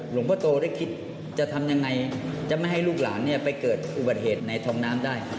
หลวงพ่อโตได้คิดจะทำยังไงจะไม่ให้ลูกหลานไปเกิดอุบัติเหตุในท้องน้ำได้ครับ